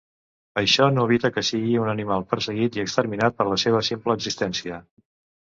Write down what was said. Això no evita que sigui un animal perseguit i exterminat per la seva simple existència.